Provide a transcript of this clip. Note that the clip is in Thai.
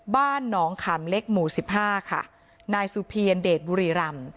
บ้านหนองขามเล็กหมู่สิบห้าค่ะนายสุเพียรเดชบุรีรำ